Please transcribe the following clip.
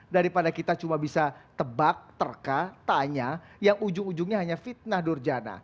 daripada kita cuma bisa tebak terka tanya yang ujung ujungnya hanya fitnah durjana